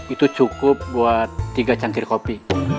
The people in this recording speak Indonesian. itu cukup buat tiga cangkir kopi